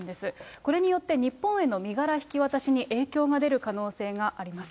これによって日本への身柄引き渡しに影響が出る可能性があります。